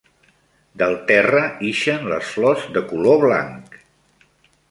Del terra ixen les flors de color blanc.